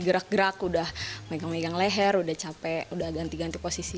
gerak gerak udah megang megang leher udah capek udah ganti ganti posisi